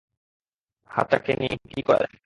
হাতটাকে নিয়ে কি করা যায়।